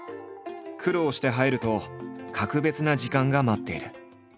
苦労して入ると格別な時間が待っている。